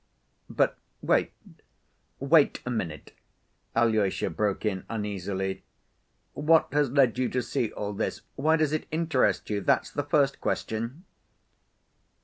"But wait, wait a minute," Alyosha broke in uneasily. "What has led you to see all this? Why does it interest you? That's the first question."